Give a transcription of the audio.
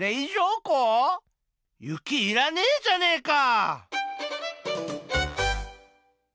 雪いらねえじゃねえか！